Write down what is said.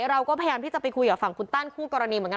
เราก็พยายามที่จะไปคุยกับฝั่งคุณตั้นคู่กรณีเหมือนกัน